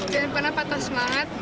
jangan pernah patah semangat